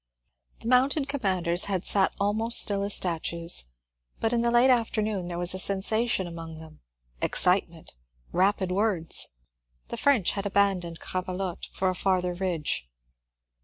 The mounted commanders had sat almost still as statues, but in the late afternoon there was a sensation among them — excitement — rapid words. The French had abandoned Grravelotte for a farther ridge.